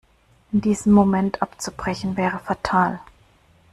In diesem Moment abzubrechen, wäre fatal.